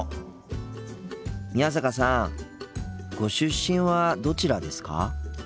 宮坂さんご出身はどちらですか？